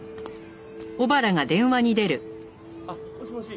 あっもしもし？